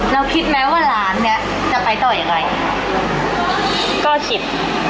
คิดไหมว่าหลานเนี้ยจะไปต่อยังไงก็คิด